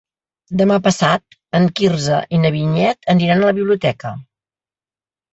Demà passat en Quirze i na Vinyet aniran a la biblioteca.